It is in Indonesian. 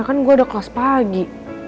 kan gue udah kelas pagi